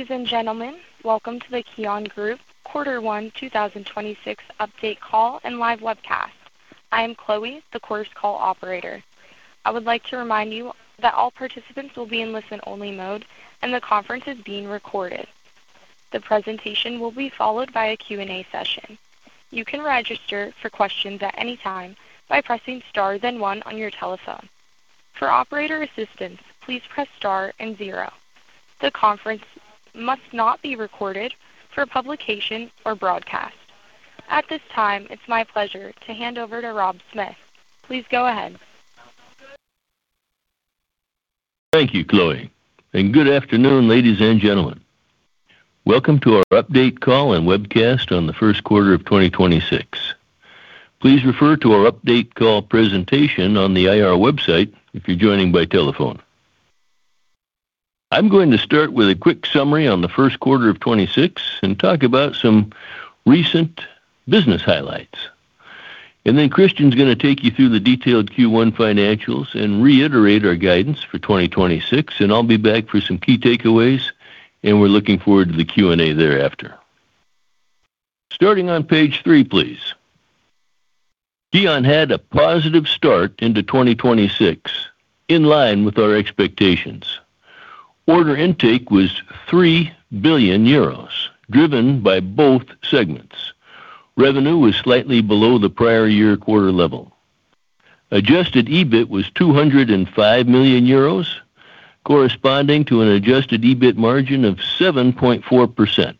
Ladies and gentlemen, welcome to the KION GROUP Quarter One 2026 update call and live webcast. I am Chloe, the quarters call operator. I would like to remind you that all participants will be in listen-only mode, and the conference is being recorded. The presentation will be followed by a Q&A session. You can register for questions at any time by pressing Star then one on your telephone. For operator assistance, please press Star and zero. The conference must not be recorded for publication or broadcast. At this time, it's my pleasure to hand over to Rob Smith. Please go ahead. Thank you, Chloe. Good afternoon, ladies and gentlemen. Welcome to our update call and webcast on the first quarter of 2026. Please refer to our update call presentation on the Investor Relation website if you're joining by telephone. I'm going to start with a quick summary on the first quarter of 2026 and talk about some recent business highlights. Then Christian is gonna take you through the detailed Q1 financials and reiterate our guidance for 2026, and I'll be back for some key takeaways, and we're looking forward to the Q&A thereafter. Starting on page three, please. KION had a positive start into 2026 in line with our expectations. Order intake was 3 billion euros, driven by both segments. Revenue was slightly below the prior year quarter level. Adjusted EBIT was 205 million euros, corresponding to an Adjusted EBIT margin of 7.4%.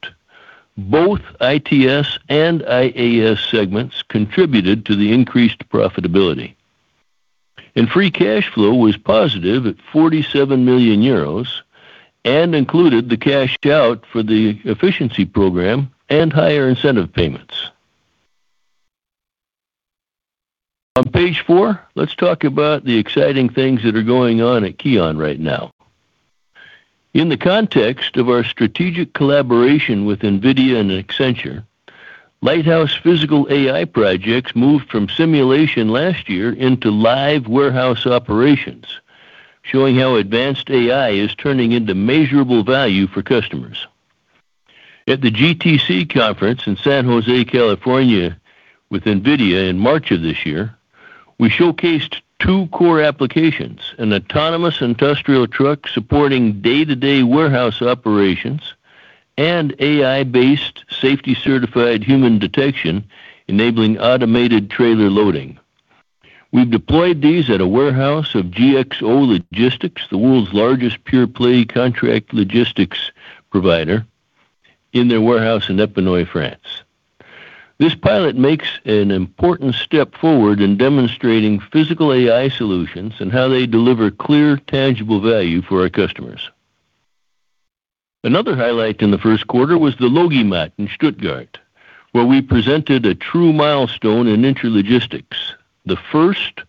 Both ITS and IAS segments contributed to the increased profitability. Free Cash Flow was positive at 47 million euros and included the cash out for the efficiency program and higher incentive payments. On page four, let's talk about the exciting things that are going on at KION right now. In the context of our strategic collaboration with NVIDIA and Accenture, Lighthouse Physical AI projects moved from simulation last year into live warehouse operations, showing how advanced AI is turning into measurable value for customers. At the GTC conference in San Jose, California, with NVIDIA in March of this year, we showcased two core applications: an autonomous industrial truck supporting day-to-day warehouse operations and AI-based safety certified human detection, enabling automated trailer loading. We've deployed these at a warehouse of GXO Logistics, the world's largest pure play contract logistics provider in their warehouse in Épinoy, France. This pilot makes an important step forward in demonstrating Physical AI solutions and how they deliver clear, tangible value for our customers. Another highlight in the first quarter was the LogiMAT in Stuttgart, where we presented a true milestone in intralogistics, the first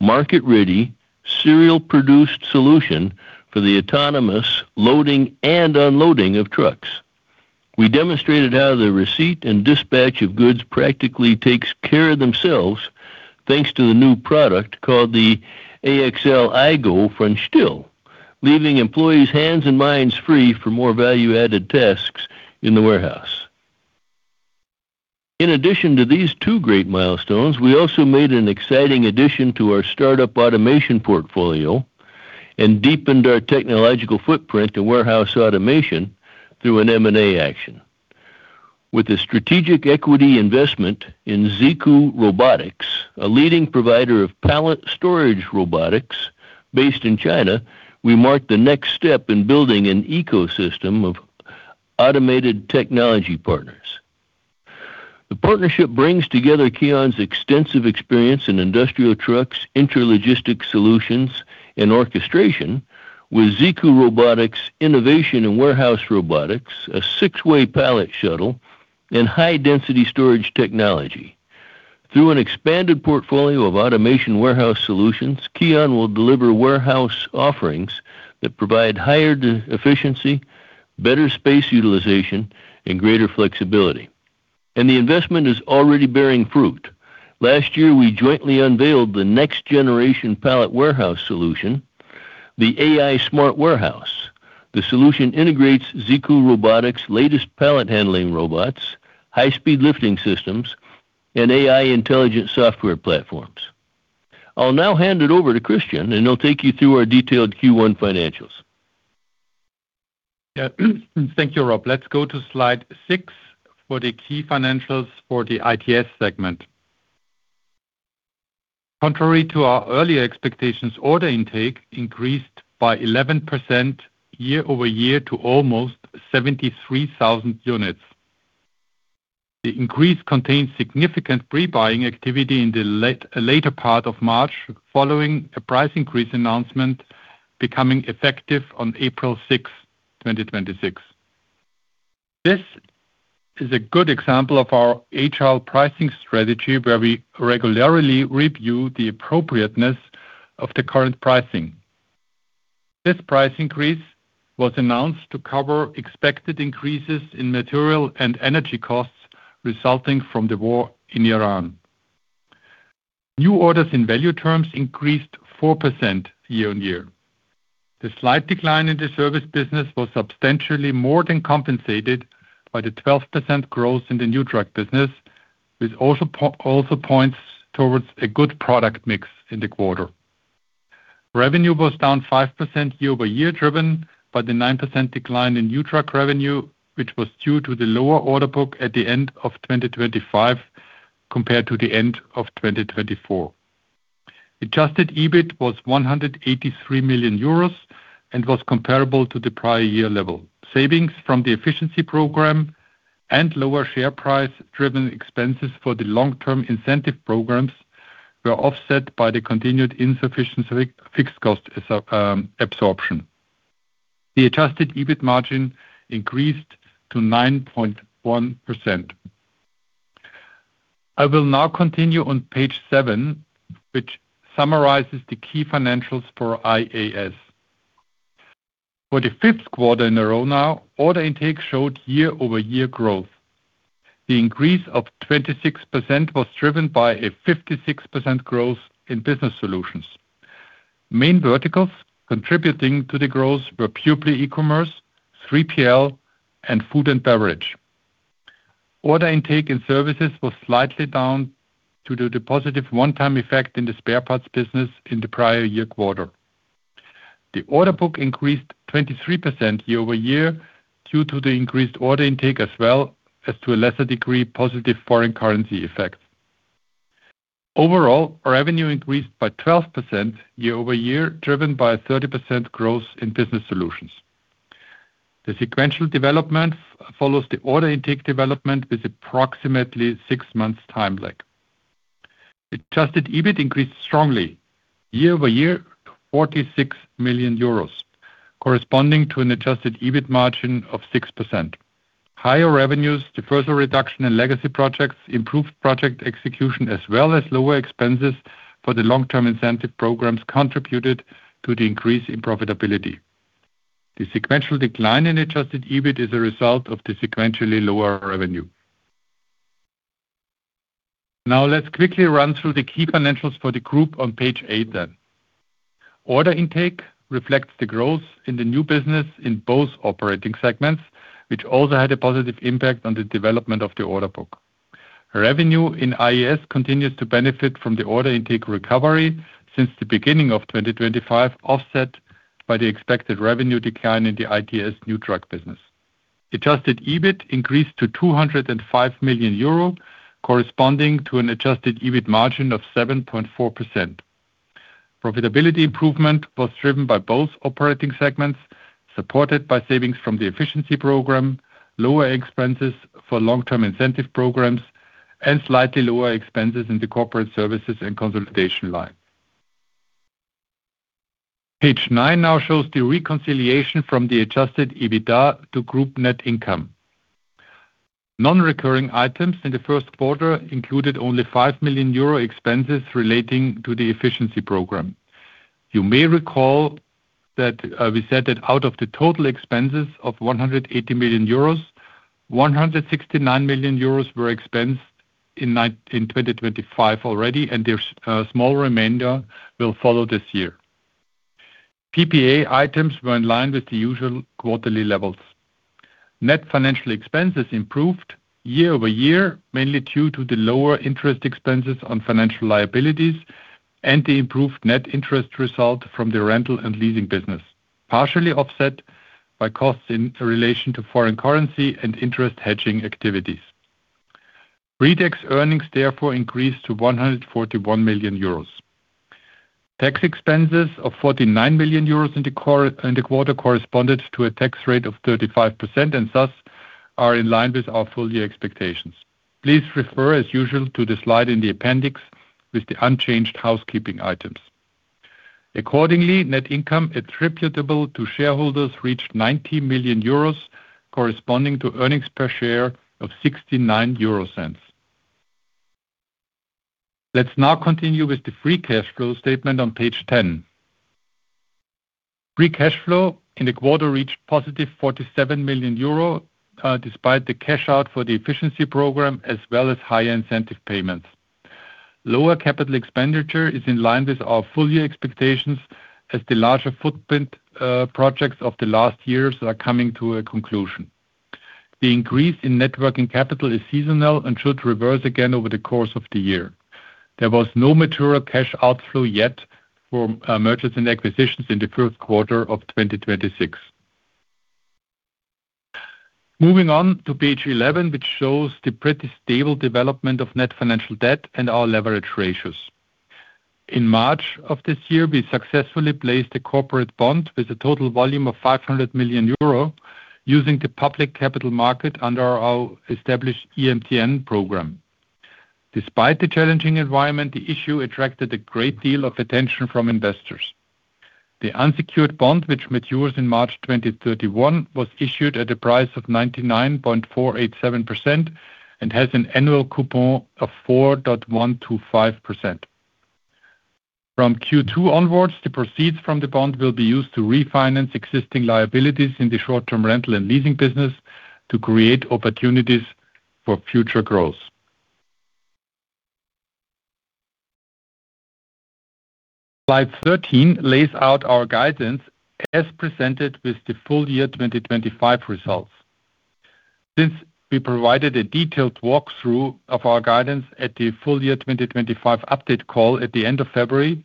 market-ready, serial-produced solution for the autonomous loading and unloading of trucks. We demonstrated how the receipt and dispatch of goods practically takes care of themselves, thanks to the new product called the AXL iGo from STILL, leaving employees' hands and minds free for more value-added tasks in the warehouse. In addition to these two great milestones, we also made an exciting addition to our startup automation portfolio and deepened our technological footprint to warehouse automation through an M&A action. With a strategic equity investment in Zikoo Robotics, a leading provider of pallet storage robotics based in China, we marked the next step in building an ecosystem of automated technology partners. The partnership brings together KION's extensive experience in industrial trucks, intralogistics solutions, and orchestration with Zikoo Robotics innovation and warehouse robotics, a six-way pallet shuttle, and high-density storage technology. Through an expanded portfolio of automation warehouse solutions, KION will deliver warehouse offerings that provide higher efficiency, better space utilization, and greater flexibility. The investment is already bearing fruit. Last year, we jointly unveiled the next generation pallet warehouse solution, the AI Smart Warehouse. The solution integrates Zikoo Robotics latest pallet handling robots, high-speed lifting systems, and AI intelligent software platforms. I'll now hand it over to Christian, and he'll take you through our detailed Q1 financials. Thank you, Rob. Let's go to slide six for the key financials for the ITS segment. Contrary to our earlier expectations, order intake increased by 11% year-over-year to almost 73,000 units. The increase contains significant pre-buying activity in the later part of March, following a price increase announcement becoming effective on April 6th, 2026. This is a good example of our agile pricing strategy, where we regularly review the appropriateness of the current pricing. This price increase was announced to cover expected increases in material and energy costs resulting from the war in Iran. New orders in value terms increased 4% year-on-year. The slight decline in the service business was substantially more than compensated by the 12% growth in the new truck business, which also points towards a good product mix in the quarter. Revenue was down 5% year-over-year, driven by the 9% decline in new truck revenue, which was due to the lower order book at the end of 2025 compared to the end of 2024. Adjusted EBIT was 183 million euros and was comparable to the prior year level. Savings from the efficiency program and lower share price-driven expenses for the long-term incentive programs were offset by the continued insufficient fixed cost absorption. The Adjusted EBIT margin increased to 9.1%. I will now continue on page seven, which summarizes the key financials for IAS. For the fifth quarter in a row now, order intake showed year-over-year growth. The increase of 26% was driven by a 56% growth in business solutions. Main verticals contributing to the growth were purely eCommerce, 3PL, and food and beverage. Order intake in services was slightly down due to the positive one-time effect in the spare parts business in the prior year quarter. The order book increased 23% year-over-year due to the increased order intake, as well as, to a lesser degree, positive foreign currency effects. Overall, our revenue increased by 12% year-over-year, driven by a 30% growth in business solutions. The sequential development follows the order intake development with approximately six months time lag. Adjusted EBIT increased strongly year-over-year to 46 million euros, corresponding to an Adjusted EBIT margin of 6%. Higher revenues, the further reduction in legacy projects, improved project execution, as well as lower expenses for the long-term incentive programs contributed to the increase in profitability. The sequential decline in Adjusted EBIT is a result of the sequentially lower revenue. Let's quickly run through the key financials for the group on page eight. Order intake reflects the growth in the new business in both operating segments, which also had a positive impact on the development of the order book. Revenue in ITS continues to benefit from the order intake recovery since the beginning of 2025, offset by the expected revenue decline in the ITS new truck business. Adjusted EBIT increased to 205 million euro, corresponding to an Adjusted EBIT margin of 7.4%. Profitability improvement was driven by both operating segments, supported by savings from the efficiency program, lower expenses for long-term incentive programs, and slightly lower expenses in the corporate services and consolidation line. Page nine now shows the reconciliation from the Adjusted EBITDA to group net income. Non-recurring items in the first quarter included only 5 million euro expenses relating to the efficiency program. You may recall that we said that out of the total expenses of 180 million euros, 169 million euros were expensed in 2025 already, and the small remainder will follow this year. PPA items were in line with the usual quarterly levels. Net financial expenses improved year-over-year, mainly due to the lower interest expenses on financial liabilities and the improved net interest result from the rental and leasing business, partially offset by costs in relation to foreign currency and interest hedging activities. Redex earnings therefore increased to 141 million euros. Tax expenses of 49 million euros in the quarter corresponded to a tax rate of 35%, and thus are in line with our full-year expectations. Please refer as usual to the slide in the appendix with the unchanged housekeeping items. Accordingly, net income attributable to shareholders reached 90 million euros, corresponding to earnings per share of 0.69. Let's now continue with the free cash flow statement on page 10. Free cash flow in the quarter reached positive 47 million euro, despite the cash out for the efficiency program as well as higher incentive payments. Lower capital expenditure is in line with our full-year expectations as the larger footprint projects of the last years are coming to a conclusion. The increase in net working capital is seasonal and should reverse again over the course of the year. There was no material cash outflow yet for mergers and acquisitions in the first quarter of 2026. Moving on to page 11, which shows the pretty stable development of net financial debt and our leverage ratios. In March of this year, we successfully placed a corporate bond with a total volume of 500 million euro using the public capital market under our established EMTN program. Despite the challenging environment, the issue attracted a great deal of attention from investors. The unsecured bond, which matures in March 2031, was issued at a price of 99.487% and has an annual coupon of 4.125%. From Q2 onwards, the proceeds from the bond will be used to refinance existing liabilities in the short-term rental and leasing business to create opportunities for future growth. Slide 13 lays out our guidance as presented with the full year 2025 results. Since we provided a detailed walkthrough of our guidance at the full year 2025 update call at the end of February,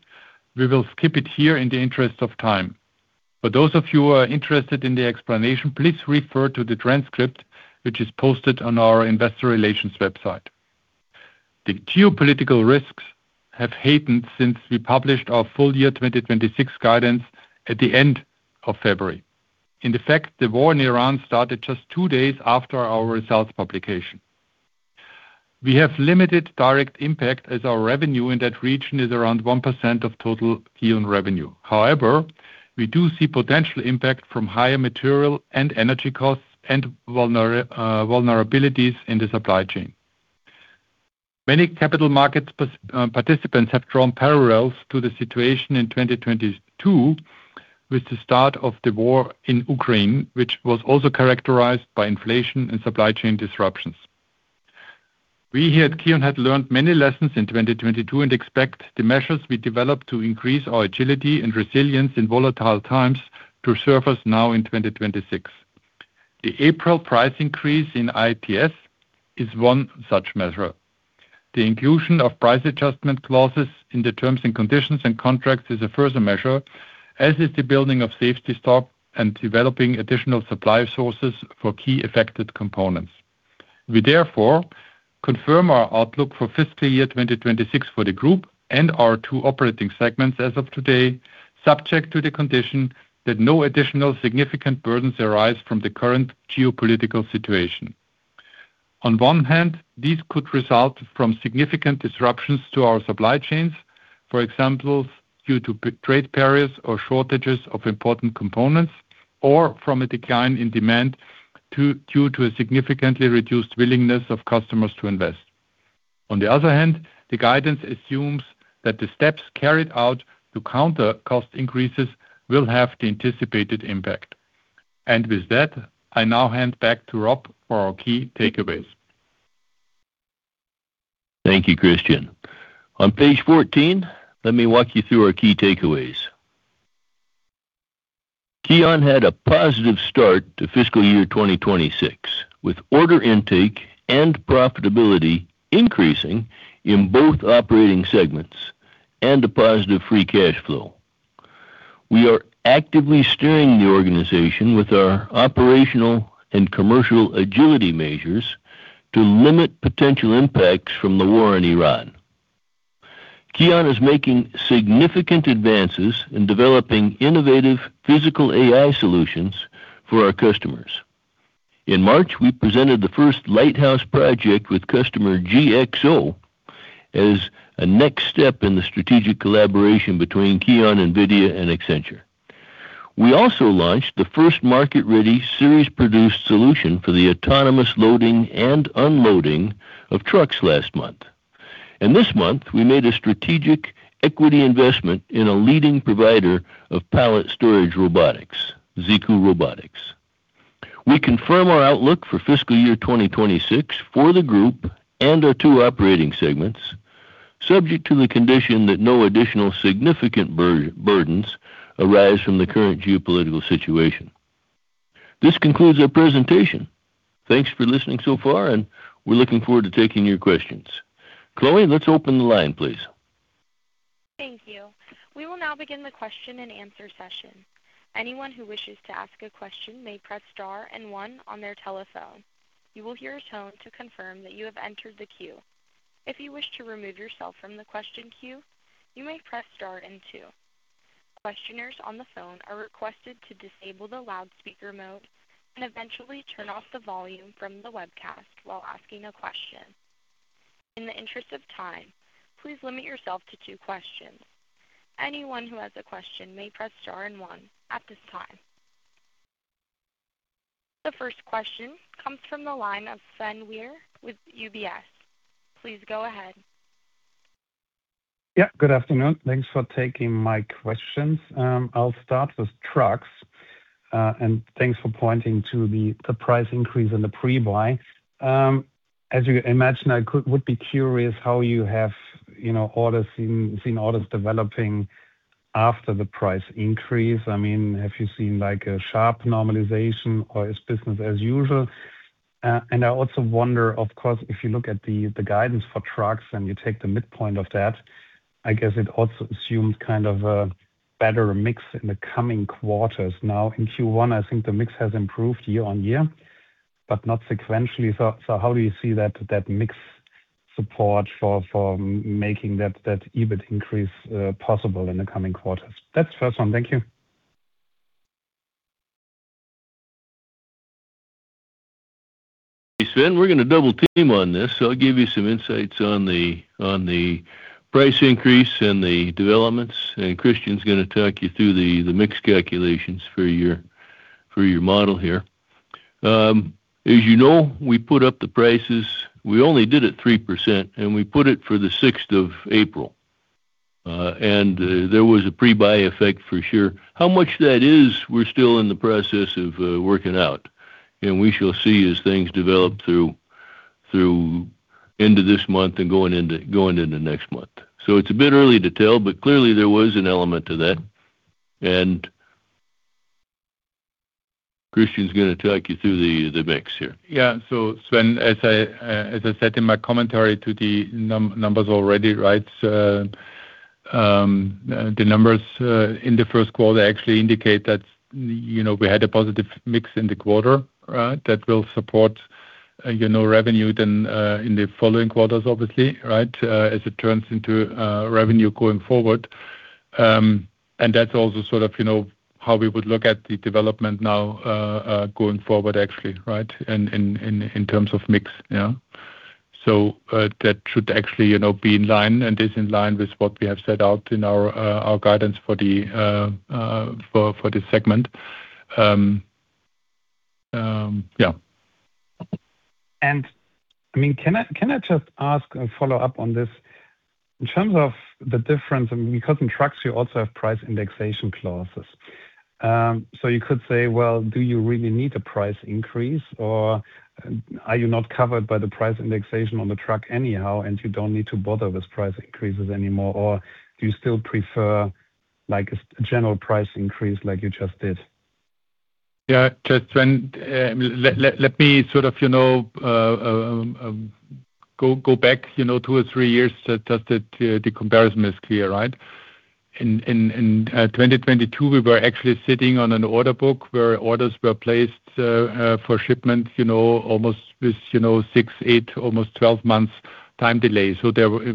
we will skip it here in the interest of time. For those of you who are interested in the explanation, please refer to the transcript, which is posted on our investor relations website. The geopolitical risks have heightened since we published our full year 2026 guidance at the end of February. In fact, the war in Iran started just two days after our results publication. We have limited direct impact as our revenue in that region is around 1% of total KION revenue. We do see potential impact from higher material and energy costs and vulnerabilities in the supply chain. Many capital markets participants have drawn parallels to the situation in 2022 with the start of the war in Ukraine, which was also characterized by inflation and supply chain disruptions. We here at KION had learned many lessons in 2022 and expect the measures we developed to increase our agility and resilience in volatile times to surface now in 2026. The April price increase in ITS is one such measure. The inclusion of price adjustment clauses in the terms and conditions and contracts is a further measure, as is the building of safety stock and developing additional supply sources for key affected components. We therefore confirm our outlook for fiscal year 2026 for the group and our two operating segments as of today, subject to the condition that no additional significant burdens arise from the current geopolitical situation. On one hand, these could result from significant disruptions to our supply chains. For example, due to trade barriers or shortages of important components or from a decline in demand due to a significantly reduced willingness of customers to invest. On the other hand, the guidance assumes that the steps carried out to counter cost increases will have the anticipated impact. With that, I now hand back to Rob for our key takeaways. Thank you, Christian. On page 14, let me walk you through our key takeaways. KION had a positive start to fiscal year 2026, with order intake and profitability increasing in both operating segments and a positive Free Cash Flow. We are actively steering the organization with our operational and commercial agility measures to limit potential impacts from the war in Iran. KION is making significant advances in developing innovative Physical AI solutions for our customers. In March, we presented the first lighthouse project with customer GXO as a next step in the strategic collaboration between KION, NVIDIA and Accenture. We also launched the first market-ready series-produced solution for the autonomous loading and unloading of trucks last month. This month, we made a strategic equity investment in a leading provider of pallet storage robotics, Zikoo Robotics. We confirm our outlook for fiscal year 2026 for the group and our two operating segments, subject to the condition that no additional significant burdens arise from the current geopolitical situation. This concludes our presentation. Thanks for listening so far, and we're looking forward to taking your questions. Chloe, let's open the line, please. Thank you. We will now begin the question and answer session. Anyone who wishes to ask a question may press star and one on their telephone. You will hear a tone to confirm that you have entered the queue. If you wish to remove yourself from the question queue, you may press star and two. Questioners on the phone are requested to disable the loudspeaker mode and eventually turn off the volume from the webcast while asking a question. In the interest of time, please limit yourself to two questions. Anyone who has a question may press star 1 at this time. The first question comes from the line of Sven Weier with UBS. Please go ahead. Yeah, good afternoon. Thanks for taking my questions. I'll start with trucks. Thanks for pointing to the price increase in the pre-buy. As you imagine, I would be curious how you have, you know, seen orders developing after the price increase. I mean, have you seen like a sharp normalization or is business as usual? I also wonder, of course, if you look at the guidance for trucks and you take the midpoint of that, I guess it also assumes kind of a better mix in the coming quarters. Now, in Q1, I think the mix has improved year-on-year, but not sequentially. How do you see that mix support for making that EBIT increase possible in the coming quarters? That's the first one. Thank you. Sven, we're gonna double team on this. I'll give you some insights on the, on the price increase and the developments, Christian's gonna talk you through the mix calculations for your, for your model here. As you know, we put up the prices. We only did it 3%, and we put it for the 6th of April. There was a pre-buy effect for sure. How much that is, we're still in the process of working out, and we shall see as things develop through into this month and going into next month. It's a bit early to tell, but clearly there was an element to that. Christian's gonna talk you through the mix here. Yeah. Sven, as I said in my commentary to the numbers already, right? The numbers in the first quarter actually indicate that, you know, we had a positive mix in the quarter, that will support, you know, revenue then in the following quarters, obviously, right? As it turns into revenue going forward. That's also sort of, you know, how we would look at the development now going forward actually, right? In terms of mix. Yeah. That should actually, you know, be in line and is in line with what we have set out in our guidance for the for this segment. I mean, can I just ask a follow-up on this? In terms of the difference, I mean, because in trucks you also have price indexation clauses. Well, do you really need a price increase, or are you not covered by the price indexation on the truck anyhow, and you don't need to bother with price increases anymore? Do you still prefer like a general price increase like you just did? Yeah. Just when, let me sort of, you know, go back, you know, two or three years just that the comparison is clear, right? In 2022, we were actually sitting on an order book where orders were placed for shipment, you know, almost with, you know, six months, eight months, almost 12 months time delay. There were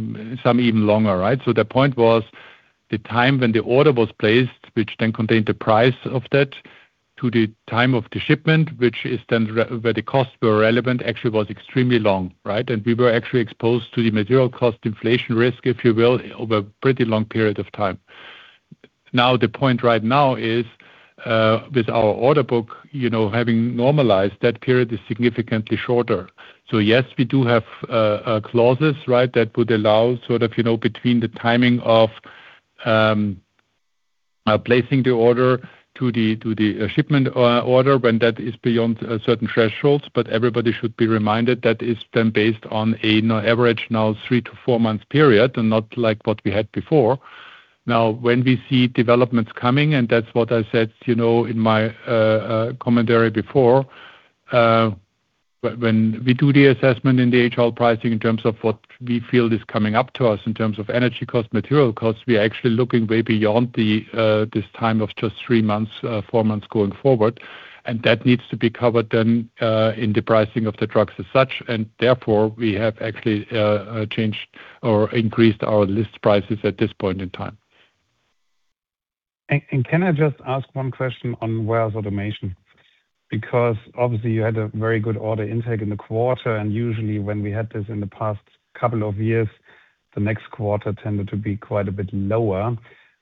some even longer, right? The point was the time when the order was placed, which then contained the price of that to the time of the shipment, which is then where the costs were relevant, actually was extremely long, right? We were actually exposed to the material cost inflation risk, if you will, over a pretty long period of time. The point right now is, with our order book, you know, having normalized, that period is significantly shorter. Yes, we do have clauses, right? That would allow sort of, you know, between the timing of placing the order to the, to the, shipment order when that is beyond certain thresholds. Everybody should be reminded that is then based on an average now three-month to four-month period and not like what we had before. When we see developments coming, and that's what I said, you know, in my commentary before, when we do the assessment in the High-Low pricing in terms of what we feel is coming up to us in terms of energy cost, material cost, we are actually looking way beyond this time of just three months, four months going forward. That needs to be covered then, in the pricing of the trucks as such. Therefore, we have actually, changed or increased our list prices at this point in time. Can I just ask one question on warehouse automation? Because obviously you had a very good order intake in the quarter, and usually when we had this in the past couple of years, the next quarter tended to be quite a bit lower.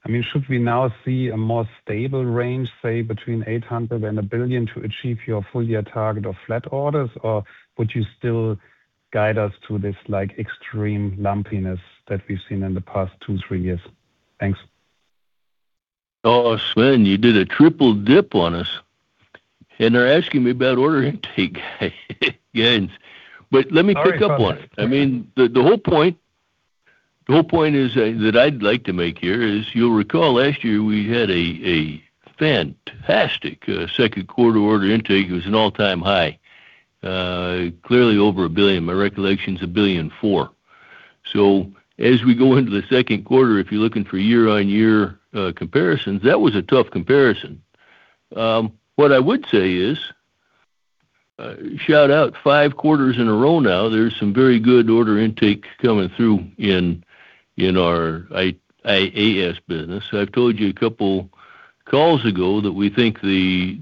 I mean, should we now see a more stable range, say between 800 million-1 billion to achieve your full year target of flat orders? Or would you still guide us to this, like, extreme lumpiness that we've seen in the past two, three years? Thanks. Sven, you did a triple dip on us, and are asking me about order intake again. Let me pick up on it. I mean, the whole point that I'd like to make here is you'll recall last year we had a fantastic second quarter order intake. It was an all-time high, clearly over 1 billion. My recollection is 1 billion and 4. As we go into the second quarter, if you're looking for year-on-year comparisons, that was a tough comparison. What I would say is, shout out five quarters in a row now, there's some very good order intake coming through in our ITS business. I've told you a couple calls ago that we think the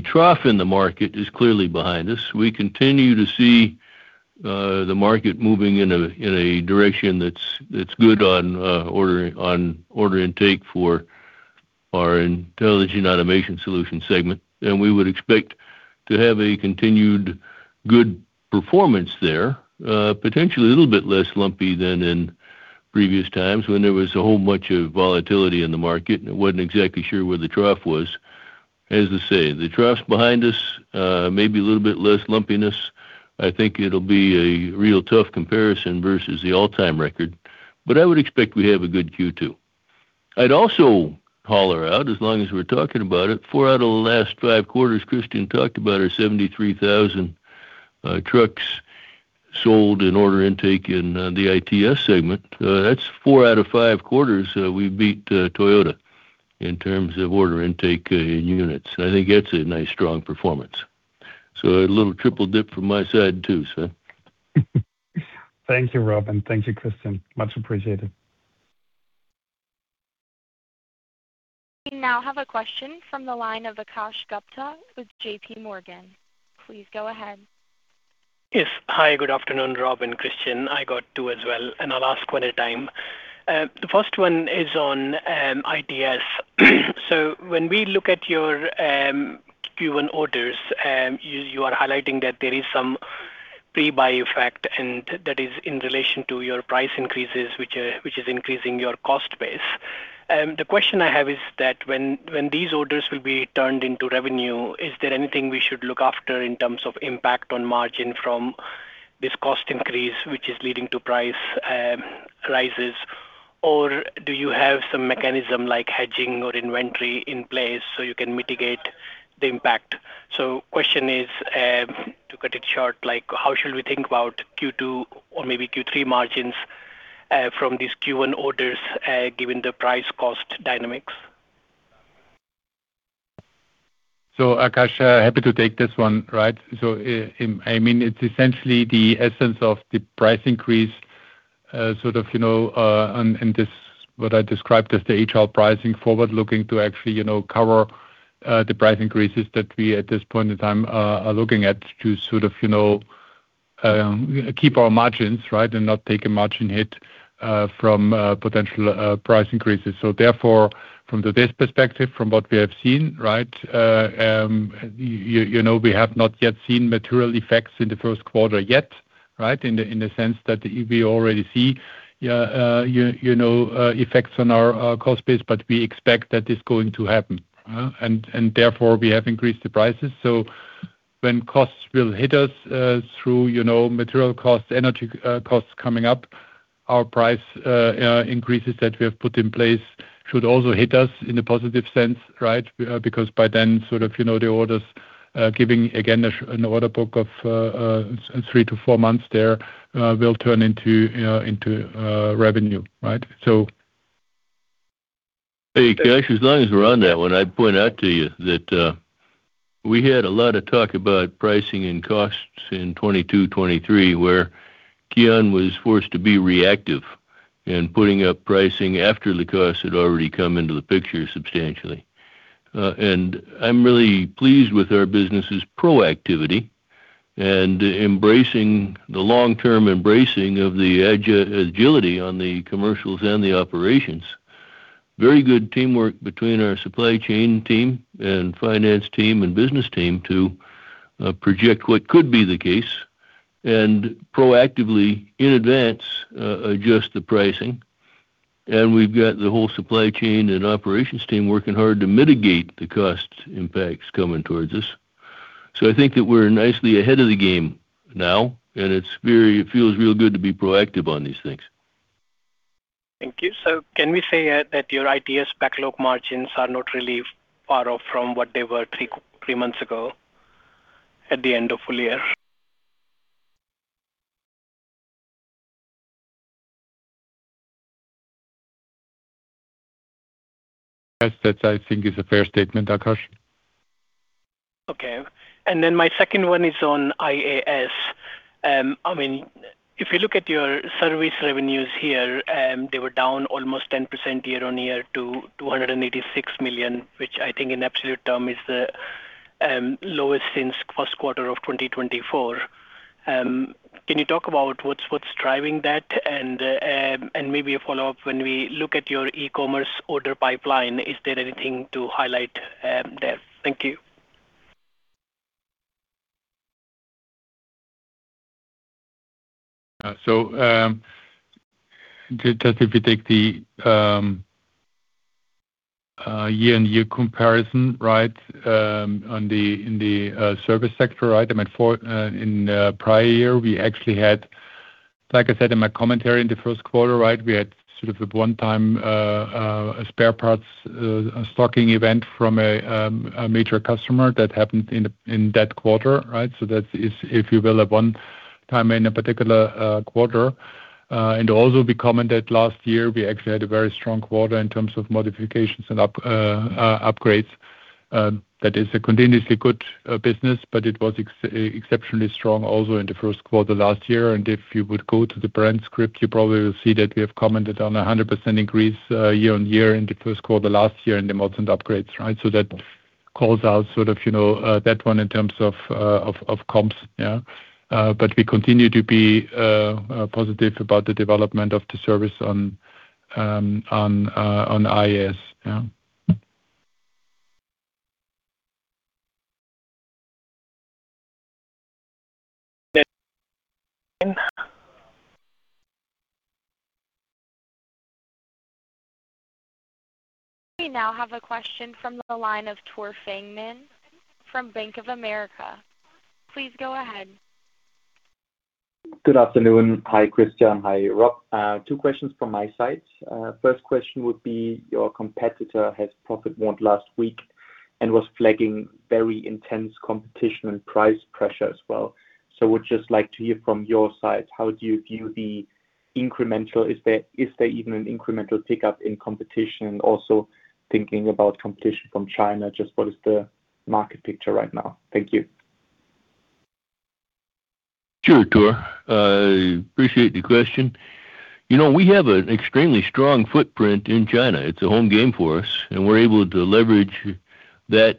trough in the market is clearly behind us. We continue to see the market moving in a, in a direction that's good on order, on order intake for our intelligent automation solution segment. We would expect to have a continued good performance there. Potentially a little bit less lumpy than in previous times when there was a whole bunch of volatility in the market, and it wasn't exactly sure where the trough was. As I say, the trough's behind us, maybe a little bit less lumpiness. I think it'll be a real tough comparison versus the all-time record, but I would expect we have a good Q2. I'd also holler out as long as we're talking about it, four out of the last five quarters Christian talked about are 73,000 trucks sold in order intake in the ITS segment. That's four out of five quarters, we beat Toyota in terms of order intake, in units. I think that's a nice, strong performance. A little triple dip from my side too, Sven. Thank you, Rob, and thank you, Christian. Much appreciated. We now have a question from the line of Akash Gupta with JPMorgan. Please go ahead. Yes. Hi, good afternoon, Rob and Christian. I got two questions as well. I'll ask one at a time. The first one is on ITS. When we look at your Q1 orders, you are highlighting that there is some pre-buy effect. That is in relation to your price increases, which is increasing your cost base. The question I have is that when these orders will be turned into revenue, is there anything we should look after in terms of impact on margin from this cost increase, which is leading to price rises? Do you have some mechanism like hedging or inventory in place so you can mitigate the impact? Question is, to cut it short, like, how should we think about Q2 or maybe Q3 margins, from these Q1 orders, given the price cost dynamics? Akash, happy to take this one, right? I mean, it's essentially the essence of the price increase, sort of, you know, on, in this what I described as the High-Low pricing forward looking to actually, you know, cover the price increases that we at this point in time are looking at to sort of, you know, keep our margins, right, and not take a margin hit from potential price increases. Therefore, from this perspective, from what we have seen, right, you know, we have not yet seen material effects in the first quarter yet, right? In the sense that we already see, you know, effects on our cost base, but we expect that it's going to happen. And therefore, we have increased the prices. When costs will hit us, through, you know, material costs, energy costs coming up, our price increases that we have put in place should also hit us in a positive sense, right? Because by then, sort of, you know, the orders giving again an order book of three to four months there will turn into revenue, right? Hey, Akash, as long as we're on that one, I'd point out to you that we had a lot of talk about pricing and costs in 2022, 2023, where KION was forced to be reactive in putting up pricing after the cost had already come into the picture substantially. I'm really pleased with our business' proactivity and embracing the long-term embracing of the agility on the commercials and the operations. Very good teamwork between our supply chain team and finance team and business team to project what could be the case and proactively in advance adjust the pricing. We've got the whole supply chain and operations team working hard to mitigate the cost impacts coming towards us. I think that we're nicely ahead of the game now, and It feels real good to be proactive on these things. Thank you. Can we say that your ITS backlog margins are not really far off from what they were three months ago at the end of full year? Yes, that I think is a fair statement, Akash. Okay. My second one is on IAS. I mean, if you look at your service revenues here, they were down almost 10% year-on-year to 286 million, which I think in absolute term is the lowest since first quarter of 2024. Can you talk about what's driving that? Maybe a follow-up, when we look at your eCommerce order pipeline, is there anything to highlight there? Thank you. Just if you take the year-on-year comparison, right, in the service sector, right? I mean, for in the prior year, we actually had, like I said in my commentary in the first quarter, right, we had sort of a one-time spare parts stocking event from a major customer that happened in that quarter, right? That is, if you will, a one time in a particular quarter. We commented last year, we actually had a very strong quarter in terms of modifications and upgrades. That is a continuously good business, but it was exceptionally strong also in the first quarter last year. If you would go to the transcript, you probably will see that we have commented on a 100% increase, year-on-year in the first quarter last year in the mods and upgrades, right. That calls out sort of, you know, that one in terms of, of comps. Yeah. We continue to be positive about the development of the service on, on IAS. Yeah. We now have a question from the line of Tore Fangmann from Bank of America. Please go ahead. Good afternoon. Hi, Christian. Hi, Rob. Two questions from my side. First question would be, your competitor has profit warned last week and was flagging very intense competition and price pressure as well. Would just like to hear from your side, how do you view the incremental? Is there even an incremental pickup in competition? Also thinking about competition from China, just what is the market picture right now? Thank you. Sure, Tore. I appreciate the question. You know, we have an extremely strong footprint in China. It's a home game for us, and we're able to leverage that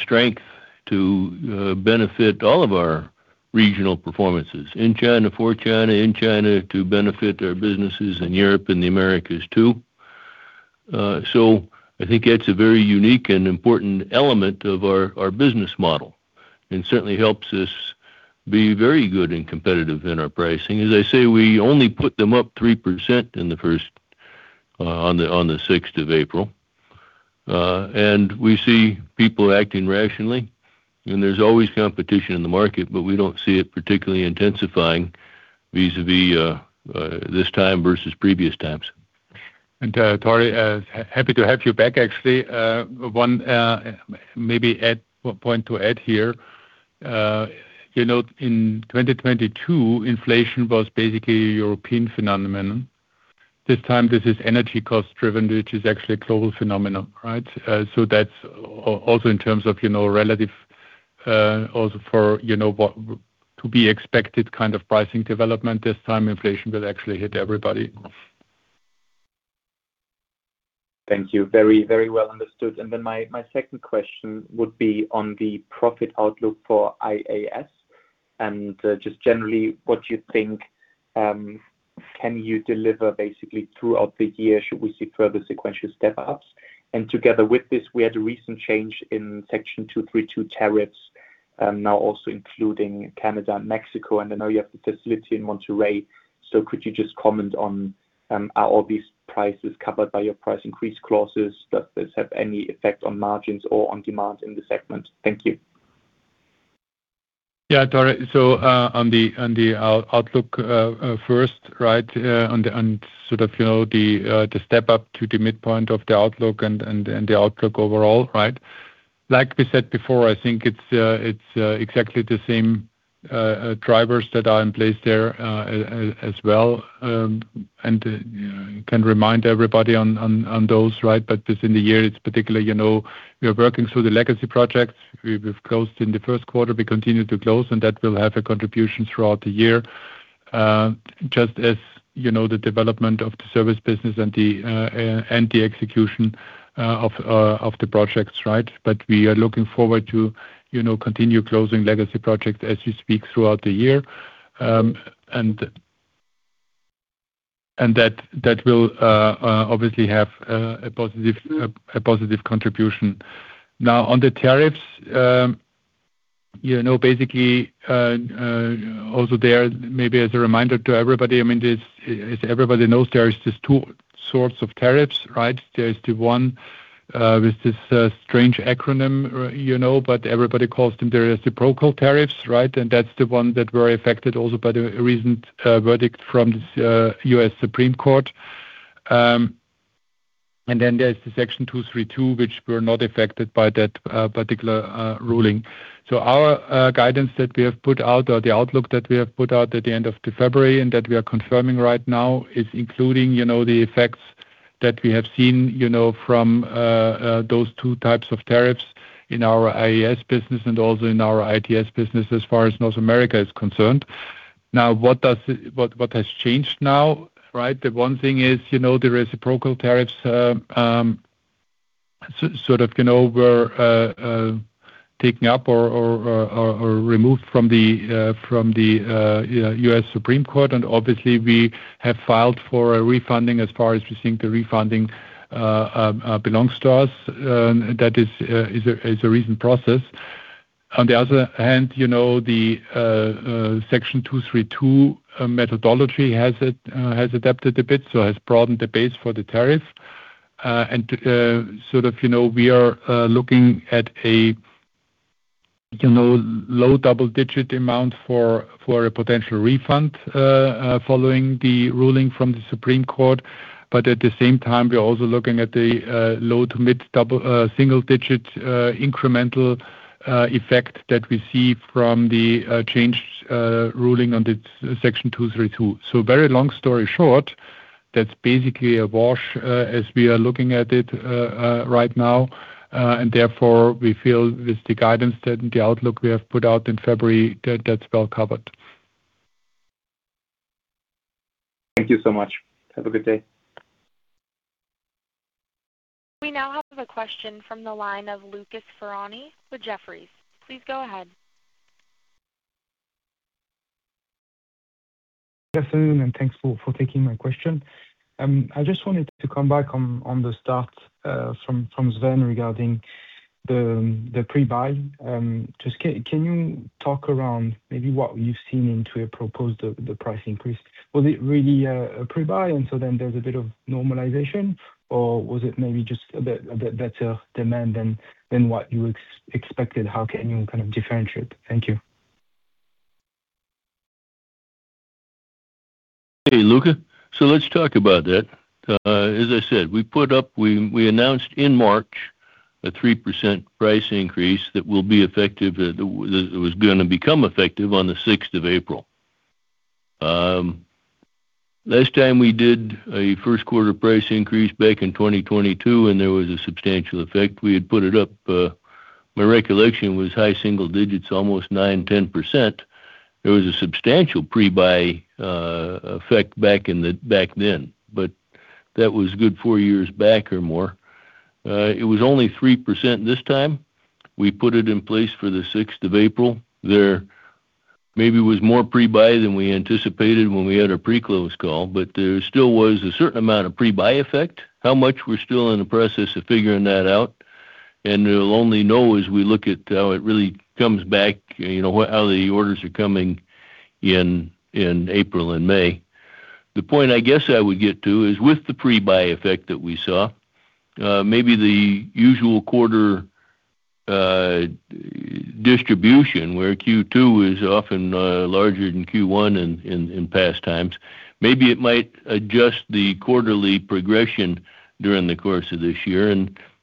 strength to benefit all of our regional performances in China, for China, in China, to benefit our businesses in Europe and the Americas too. I think that's a very unique and important element of our business model, and certainly helps us be very good and competitive in our pricing. As I say, we only put them up 3% on the 6th of April. We see people acting rationally, and there's always competition in the market, but we don't see it particularly intensifying vis-a-vis this time versus previous times. Tore Fangmann, happy to have you back actually. One point to add here. You know, in 2022, inflation was basically a European phenomenon. This time this is energy cost driven, which is actually a global phenomenon, right? That's also in terms of, you know, relative, also for, you know, what to be expected kind of pricing development. This time inflation will actually hit everybody. Thank you. Very, very well understood. My second question would be on the profit outlook for ITS and just generally what you think, can you deliver basically throughout the year? Should we see further sequential step-ups? Together with this, we had a recent change in Section 232 tariffs, now also including Canada and Mexico. I know you have the facility in Monterrey, so could you just comment on, are all these prices covered by your price increase clauses? Does this have any effect on margins or on demand in the segment? Thank you. Yeah, Tore, on the outlook first, right, on the sort of, you know, the step up to the midpoint of the outlook and the outlook overall, right? Like we said before, I think it's exactly the same drivers that are in place there as well. Can remind everybody on those, right? Within the year, it's particularly, you know, we are working through the legacy projects we've closed in the first quarter. We continue to close, and that will have a contribution throughout the year, just as, you know, the development of the service business and the execution of the projects, right? We are looking forward to, you know, continue closing legacy projects as we speak throughout the year. And that will obviously have a positive contribution. Now, on the tariffs, you know, basically, also there maybe as a reminder to everybody, I mean, as everybody knows, there is just two sorts of tariffs, right? There is the one with this strange acronym, you know, but everybody calls them the reciprocal tariffs, right? That's the one that were affected also by the recent verdict from this U.S. Supreme Court. Then there's the Section 232, which were not affected by that particular ruling. Our guidance that we have put out or the outlook that we have put out at the end of February and that we are confirming right now is including, you know, the effects that we have seen, you know, from those two types of tariffs in our IAS business and also in our ITS business as far as North America is concerned. What has changed now, right? The one thing is, you know, the reciprocal tariffs sort of, you know, were taken up or removed from the U.S. Supreme Court. Obviously we have filed for a refunding as far as we think the refunding belongs to us. That is a recent process. On the other hand, you know, the Section 232 methodology has adapted a bit, so has broadened the base for the tariff. Sort of, you know, we are looking at a, you know, low double-digit amount for a potential refund following the ruling from the U.S. Supreme Court. At the same time, we are also looking at the low to mid single digit incremental effect that we see from the changed ruling on the Section 232. Very long story short, that's basically a wash, as we are looking at it right now, and therefore we feel with the guidance that the outlook we have put out in February that that's well covered. Thank you so much. Have a good day. We now have a question from the line of Lucas Ferhani with Jefferies. Please go ahead. Good afternoon, thanks for taking my question. I just wanted to come back on the start, from Sven regarding the pre-buy. Just can you talk around maybe what you've seen into a proposed the price increase? Was it really a pre-buy, and so then there's a bit of normalization, or was it maybe just a bit better demand than what you expected? How can you kind of differentiate? Thank you. Hey, Lucas. Let's talk about that. As I said, we announced in March a 3% price increase that will be effective, that was gonna become effective on the 6th of April. Last time we did a first quarter price increase back in 2022, there was a substantial effect. We had put it up. My recollection was high single digits, almost 9%, 10%. It was a substantial pre-buy effect back then. That was a good four years back or more. It was only 3% this time. We put it in place for the 6th of April. There maybe was more pre-buy than we anticipated when we had our pre-close call, but there still was a certain amount of pre-buy effect. How much, we're still in the process of figuring that out, and we'll only know as we look at how it really comes back, you know, how the orders are coming in April and May. The point I guess I would get to is with the pre-buy effect that we saw, maybe the usual quarter distribution where Q2 is often larger than Q1 in past times, maybe it might adjust the quarterly progression during the course of this year.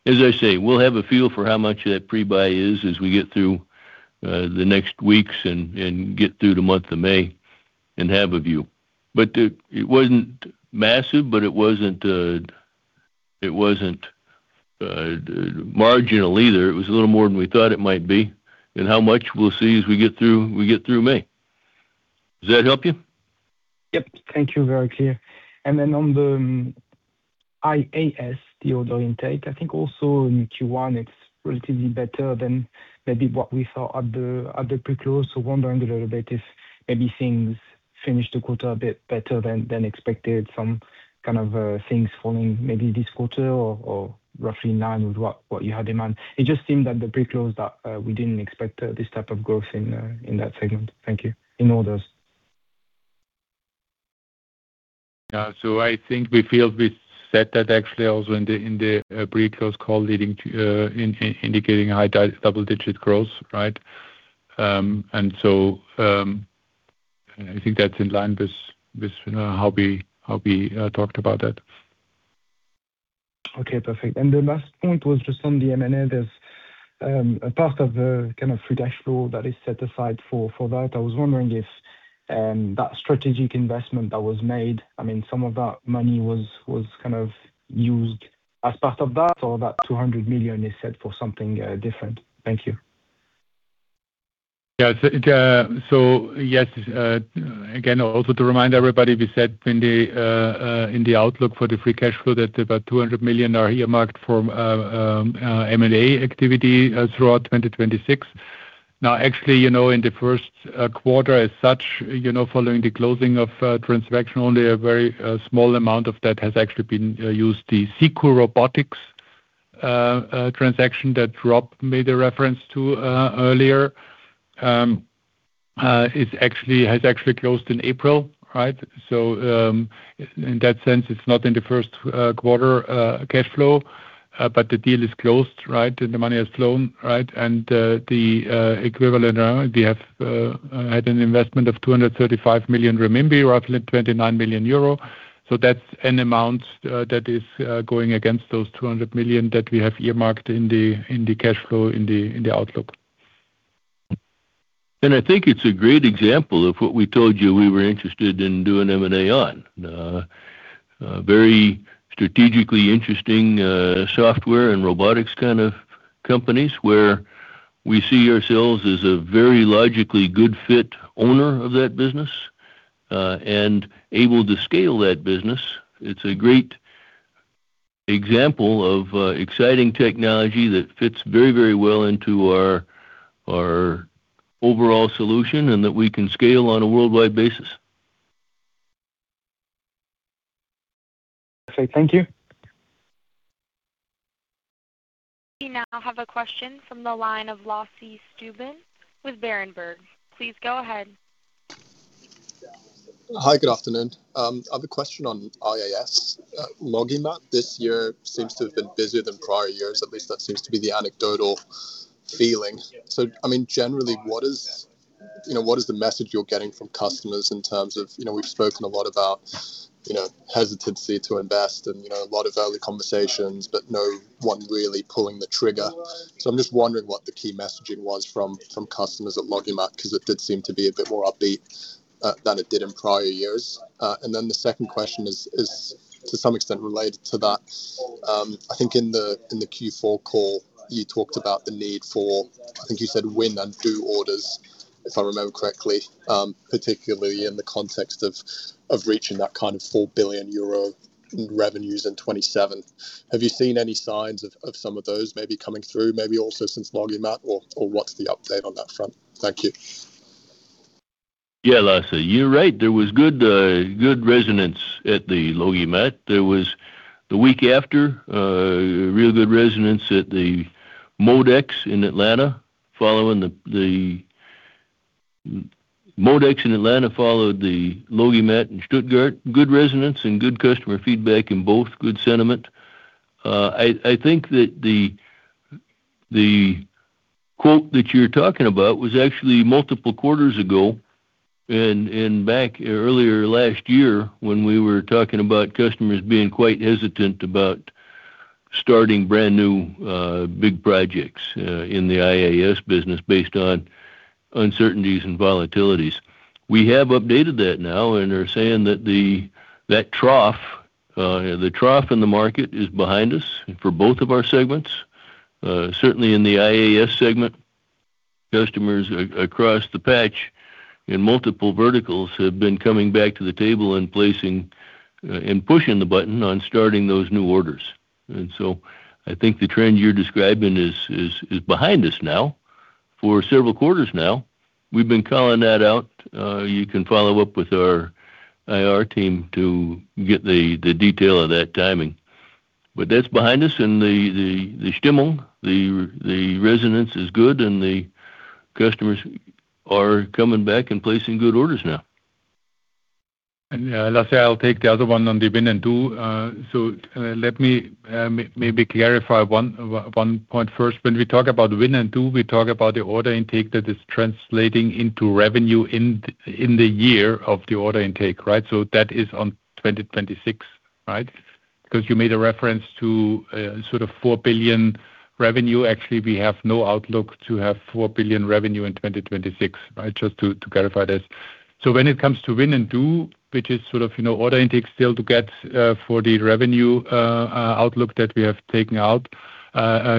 As I say, we'll have a feel for how much that pre-buy is as we get through the next weeks and get through the month of May and have a view. It wasn't massive, but it wasn't, it wasn't marginal either. It was a little more than we thought it might be. How much, we'll see as we get through, we get through May. Does that help you? Yep. Thank you. Very clear. On the IAS, the order intake, I think also in Q1 it's relatively better than maybe what we saw at the, at the pre-close. Wondering a little bit if maybe things finished the quarter a bit better than expected, some kind of things falling maybe this quarter or roughly in line with what you had in mind. It just seemed at the pre-close that we didn't expect this type of growth in that segment. Thank you. In orders. Yeah. I think we feel we said that actually also in the pre-close call leading to indicating high double-digit growth, right? I think that's in line with, how we talked about that. Okay. Perfect. The last point was just on the M&A. There's a part of the kind of Free Cash Flow that is set aside for that. I was wondering if that strategic investment that was made, I mean, some of that money was kind of used as part of that or that 200 million is set for something different. Thank you. Yes, again, also to remind everybody, we said in the outlook for the Free Cash Flow that about 200 million are earmarked for M&A activity throughout 2026. Actually, you know, in the 1st quarter as such, you know, following the closing of transaction only a very small amount of that has actually been used. The Zikoo Robotics transaction that Rob made a reference to earlier has actually closed in April, right? In that sense, it's not in the 1st quarter cash flow, but the deal is closed, right? The money has flown, right? The equivalent, we have had an investment of 235 million renminbi, roughly 29 million euro. That's an amount that is going against those 200 million that we have earmarked in the, in the cash flow in the, in the outlook. I think it's a great example of what we told you we were interested in doing M&A on. Very strategically interesting, software and robotics kind of companies where we see ourselves as a very logically good fit owner of that business, and able to scale that business. It's a great example of exciting technology that fits very, very well into our overall solution and that we can scale on a worldwide basis. Okay. Thank you. We now have a question from the line of Lasse Stüben with Berenberg. Please go ahead. Hi. Good afternoon. I have a question on IAS. LogiMAT this year seems to have been busier than prior years. At least that seems to be the anecdotal feeling. I mean, generally, what is, you know, what is the message you're getting from customers in terms of You know, we've spoken a lot about, you know, hesitancy to invest and, you know, a lot of early conversations, but no one really pulling the trigger. I'm just wondering what the key messaging was from customers at LogiMAT, 'cause it did seem to be a bit more upbeat than it did in prior years. The second question is to some extent related to that. I think in the Q4 call, you talked about the need for, I think you said win and do orders, if I remember correctly, particularly in the context of reaching that kind of 4 billion euro in revenues in 2027. Have you seen any signs of some of those maybe coming through, maybe also since LogiMAT or what's the update on that front? Thank you. Yeah, Lasse, you're right. There was good resonance at the LogiMAT. There was, the week after, real good resonance at the MODEX in Atlanta following MODEX in Atlanta followed the LogiMAT in Stuttgart. Good resonance and good customer feedback in both, good sentiment. I think that the quote that you're talking about was actually multiple quarters ago and back earlier last year when we were talking about customers being quite hesitant about starting brand-new, big projects in the IAS business based on uncertainties and volatilities. We have updated that now and are saying that the trough in the market is behind us for both of our segments. Certainly in the IAS segment, customers across the patch in multiple verticals have been coming back to the table and placing and pushing the button on starting those new orders. I think the trend you're describing is behind us now for several quarters now. We've been calling that out. You can follow up with our IR team to get the detail of that timing. That's behind us and the resonance is good and the customers are coming back and placing good orders now. Lasse, I'll take the other one on the win and do. Let me maybe clarify one point first. When we talk about win and do, we talk about the order intake that is translating into revenue in the year of the order intake, right? That is on 2026, right? Cause you made a reference to, sort of 4 billion revenue. Actually, we have no outlook to have 4 billion revenue in 2026, right? Just to clarify this. When it comes to win and do, which is sort of, you know, order intake still to get, for the revenue outlook that we have taken out,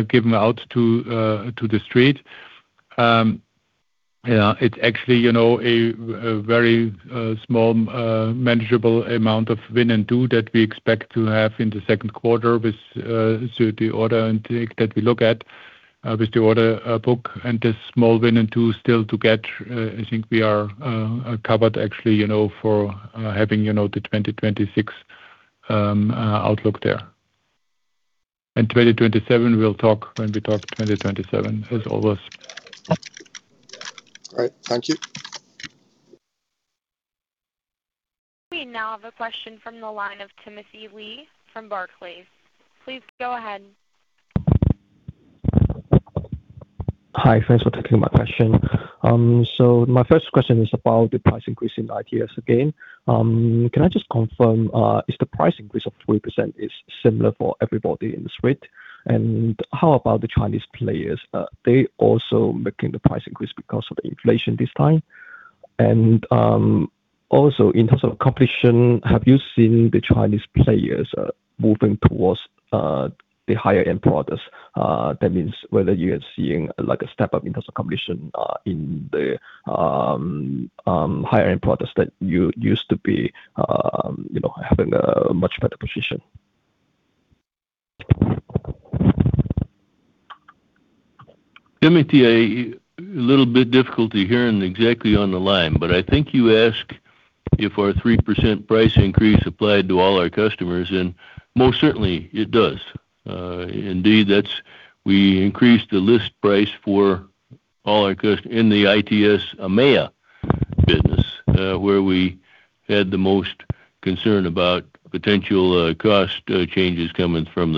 given out to the street, you know, it's actually, you know, a very small, manageable amount of win and do that we expect to have in the second quarter with, so the order intake that we look at, with the order book and the small win and do still to get. I think we are covered actually, you know, for having, you know, the 2026 outlook there. 2027, we'll talk when we talk 2027 as always. Great. Thank you. We now have a question from the line of Timothy Lee from Barclays. Please go ahead. Hi. Thanks for taking my question. My first question is about the price increase in ITS again. Can I just confirm, is the price increase of 3% similar for everybody in the suite? How about the Chinese players? They also making the price increase because of the inflation this time? Also in terms of competition, have you seen the Chinese players moving towards the higher-end products? That means whether you are seeing like a step up in terms of competition in the higher-end products that you used to be, you know, having a much better position. Timothy, I. Little bit difficulty hearing exactly on the line, but I think you ask if our 3% price increase applied to all our customers, and most certainly it does. Indeed we increased the list price for all our in the ITS EMEA business, where we had the most concern about potential cost changes coming from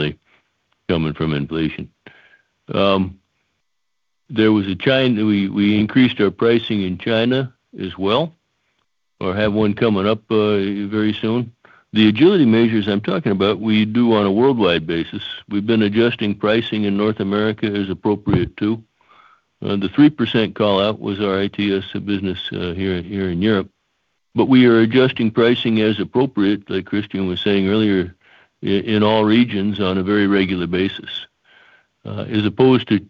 inflation. We increased our pricing in China as well, or have one coming up very soon. The agility measures I'm talking about we do on a worldwide basis. We've been adjusting pricing in North America as appropriate too. The 3% call-out was our ITS business here in Europe. We are adjusting pricing as appropriate, like Christian was saying earlier, in all regions on a very regular basis. As opposed to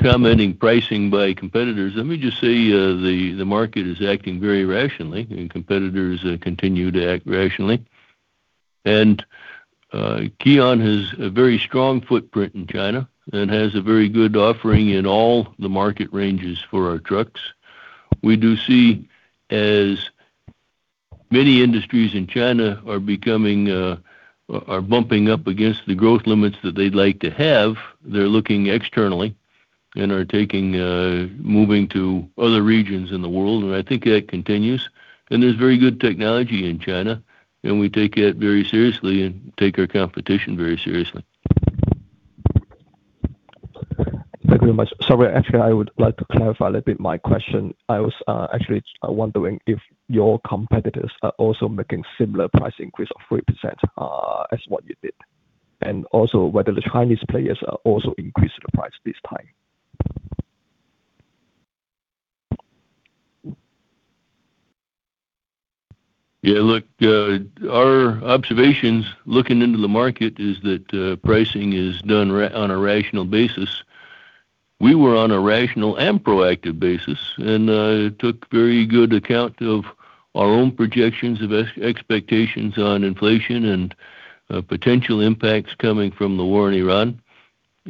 commenting pricing by competitors, let me just say, the market is acting very rationally and competitors continue to act rationally. KION has a very strong footprint in China and has a very good offering in all the market ranges for our trucks. We do see as many industries in China are becoming, are bumping up against the growth limits that they'd like to have, they're looking externally and are taking, moving to other regions in the world, and I think that continues. There's very good technology in China, and we take that very seriously and take our competition very seriously. Thank you very much. Sorry, actually I would like to clarify a little bit my question. I was actually wondering if your competitors are also making similar price increase of 3%, as what you did, and also whether the Chinese players are also increasing the price this time. Yeah, look, our observations looking into the market is that pricing is done on a rational basis. We were on a rational and proactive basis and took very good account of our own projections of expectations on inflation and potential impacts coming from the war in Iran.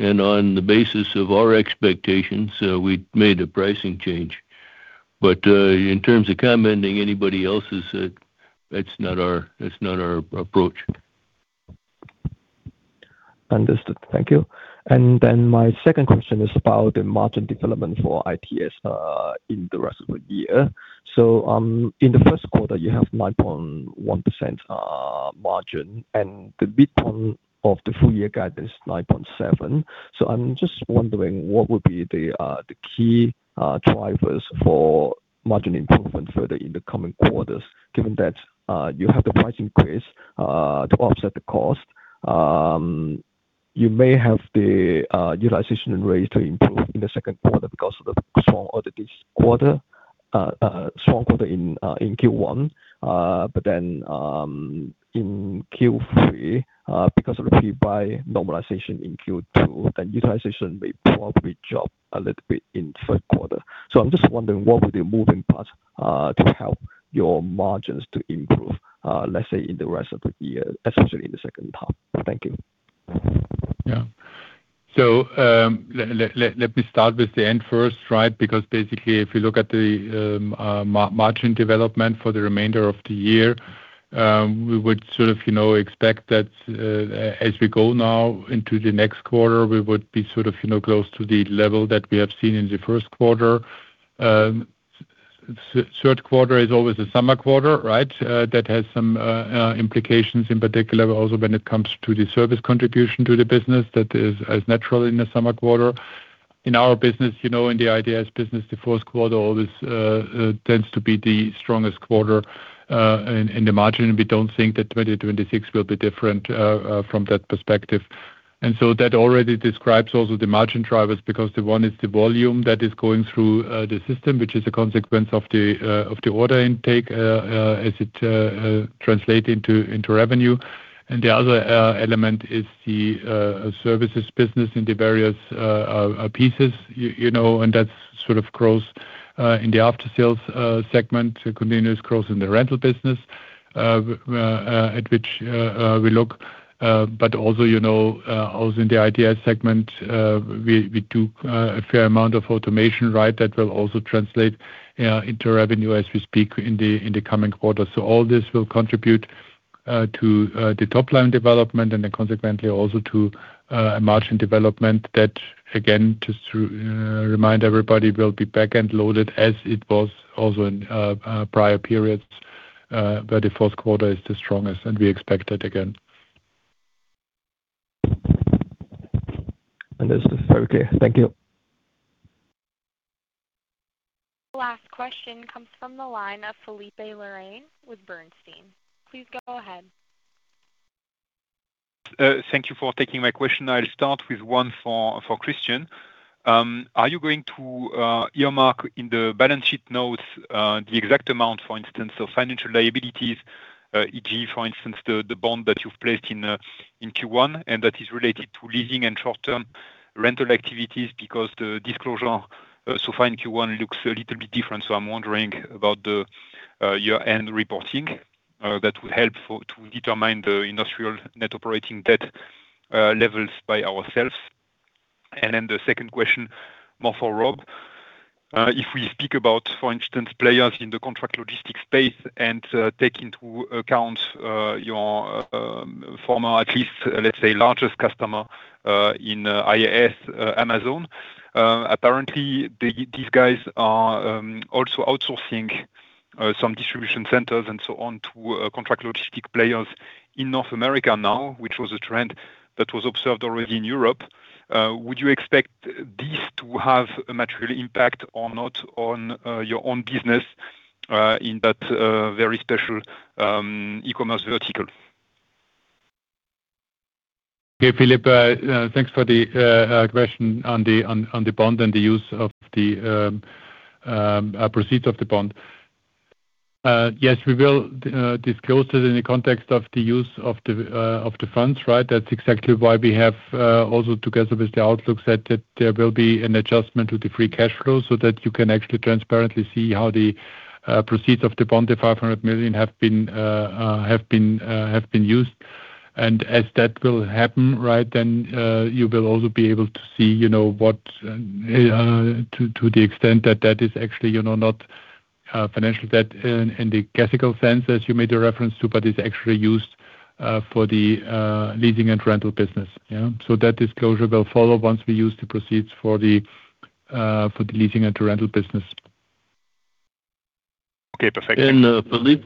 On the basis of our expectations, we made a pricing change. In terms of commenting anybody else's, that's not our approach. Understood. Thank you. My second question is about the margin development for ITS in the rest of the year. In the first quarter, you have 9.1% margin, and the midpoint of the full year guidance, 9.7%. I'm just wondering what would be the key drivers for margin improvement further in the coming quarters, given that you have the price increase to offset the cost. You may have the utilization rate to improve in the second quarter because of the strong order this quarter, strong quarter in Q1. In Q3, because of the pre-buy normalization in Q2, utilization may probably drop a little bit in third quarter. I'm just wondering, what would be a moving part, to help your margins to improve, let's say in the rest of the year, especially in the second half? Thank you. Yeah. Let me start with the end first, right? Basically, if you look at the margin development for the remainder of the year, we would sort of, you know, expect that, as we go now into the next quarter, we would be sort of, you know, close to the level that we have seen in the first quarter. Third quarter is always the summer quarter, right? That has some implications in particular also when it comes to the service contribution to the business that is natural in the summer quarter. In our business, you know, in the ITS business, the fourth quarter always tends to be the strongest quarter in the margin. We don't think that 2026 will be different from that perspective. That already describes also the margin drivers, because the one is the volume that is going through the system, which is a consequence of the order intake as it translate into revenue. The other element is the services business in the various pieces. You know, and that's sort of growth in the after-sales segment, continuous growth in the rental business at which we look. Also, you know, also in the ITS segment, we do a fair amount of automation, right? That will also translate into revenue as we speak in the coming quarters. All this will contribute to the top line development and then consequently also to a margin development that again, just to remind everybody, will be back-end loaded as it was also in prior periods, where the fourth quarter is the strongest, and we expect that again. Understood. Okay. Thank you. Last question comes from the line of Philippe Lorrain with Bernstein. Please go ahead. Thank you for taking my question. I'll start with one for Christian. Are you going to earmark in the balance sheet notes the exact amount, for instance, of financial liabilities, e.g., for instance, the bond that you've placed in Q1 and that is related to leasing and short-term rental activities because the disclosure so far in Q1 looks a little bit different. I'm wondering about the year-end reporting that will help to determine the industrial net operating debt levels by ourselves. The second question, more for Rob. If we speak about, for instance, players in the contract logistics space and take into account your former at least, let's say, largest customer in IAS, Amazon. Apparently, the, these guys are also outsourcing some distribution centers and so on to contract logistic players in North America now, which was a trend that was observed already in Europe. Would you expect this to have a material impact or not on your own business in that very special eCommerce vertical? Okay. Philippe, thanks for the question on the bond and the use of the proceeds of the bond. Yes, we will disclose it in the context of the use of the funds, right? That's exactly why we have also together with the outlook said that there will be an adjustment to the Free Cash Flow so that you can actually transparently see how the proceeds of the bond, the 500 million have been used. As that will happen, right, then, you will also be able to see, you know, what, to the extent that that is actually, you know, not financial debt in the classical sense as you made a reference to, but is actually used for the leasing and rental business. Yeah. That disclosure will follow once we use the proceeds for the leasing and rental business. Okay. Perfect. Philippe,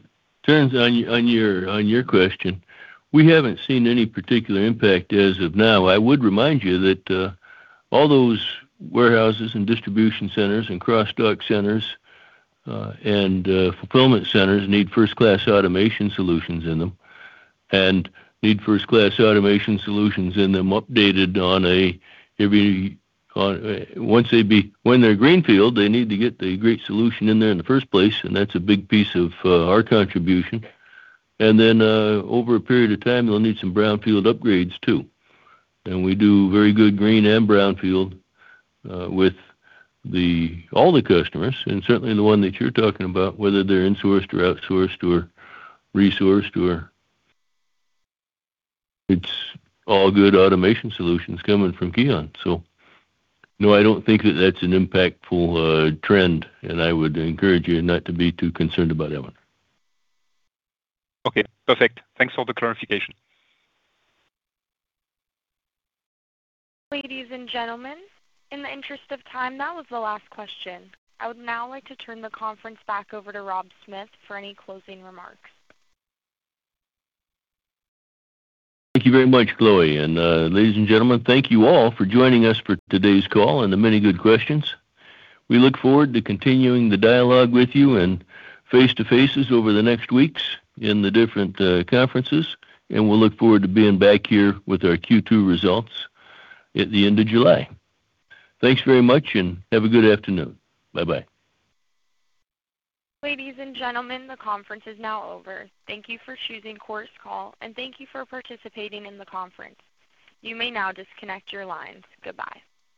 on your question, we haven't seen any particular impact as of now. I would remind you that all those warehouses and distribution centers and cross-dock centers and fulfillment centers need first-class automation solutions in them and need first-class automation solutions in them updated on a, every, when they're greenfield, they need to get the great solution in there in the first place, and that's a big piece of our contribution. Then, over a period of time, they'll need some brownfield upgrades too. We do very good green and brownfield with all the customers, and certainly the one that you're talking about, whether they're insourced or outsourced or resourced or. It's all good automation solutions coming from KION. No, I don't think that that's an impactful trend, and I would encourage you not to be too concerned about that one. Okay. Perfect. Thanks for the clarification. Ladies and gentlemen, in the interest of time, that was the last question. I would now like to turn the conference back over to Rob Smith for any closing remarks. Thank you very much, Chloe. Ladies and gentlemen, thank you all for joining us for today's call and the many good questions. We look forward to continuing the dialogue with you and face-to-faces over the next weeks in the different conferences. We'll look forward to being back here with our Q2 results at the end of July. Thanks very much. Have a good afternoon. Bye-bye. Ladies and gentlemen, the conference is now over. Thank you for choosing Chorus Call, and thank you for participating in the conference. You may now disconnect your lines. Goodbye.